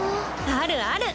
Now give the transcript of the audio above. あるある。